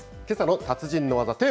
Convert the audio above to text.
けさの達人の技。